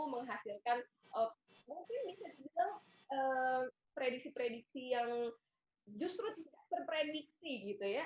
menghasilkan mungkin bisa dibilang prediksi prediksi yang justru tidak terprediksi gitu ya